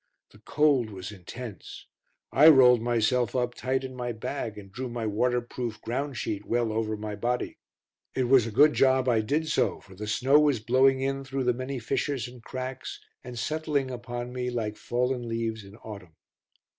The cold was intense. I rolled myself up tight in my bag and drew my waterproof ground sheet well over my body. It was a good job I did so for the snow was blowing in through the many fissures and cracks and settling upon me like fallen leaves in autumn.